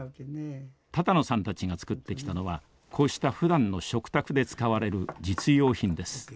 多々納さんたちが作ってきたのはこうしたふだんの食卓で使われる実用品です。